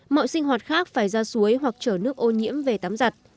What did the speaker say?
mọi sinh hoạt khác phải ra suối hoặc chở nước ô nhiễm về tắm giặt